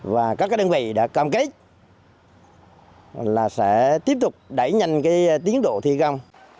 và các đơn vị đã cầm kết là sẽ tiếp tục đẩy nhanh cái tiến độ thi công